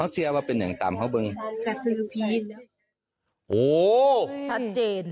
ชัดเจน